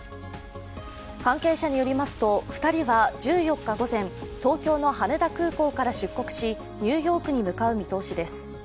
関係者によりますと２人は１４日午前、東京の羽田空港から出国しニューヨークに向かう見通しです。